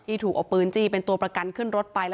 ถูกเอาปืนจี้เป็นตัวประกันขึ้นรถไป